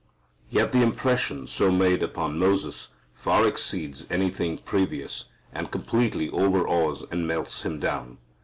Yet the impression so made upon Moses far exceeds anything previous and completely overawes and melts him down.